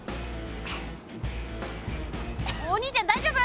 お兄ちゃん大丈夫？